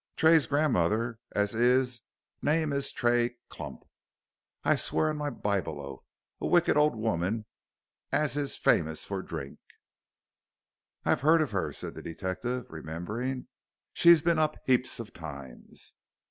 "Tray's gran'mother, as 'is name is Tray Clump, I swear on my Bible oath. A wicked old woman as is famous for drink " "I've heard of her," said the detective, remembering; "she's been up heaps of times."